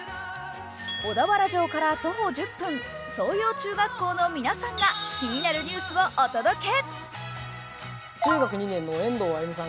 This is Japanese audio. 小田原城から徒歩１０分、相洋中学校の皆さんが気になるニュースをお届け。